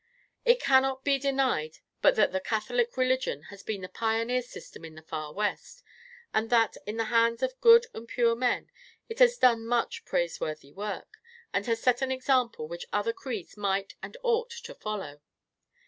It cannot be denied but that the Catholic religion has been the pioneer system in the far West, and that, in the hands of good and pure men, it has done much praiseworthy work, and has set an example which other creeds might and ought to follow.